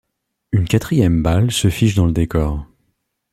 Une quatrième balle se fiche dans le décor.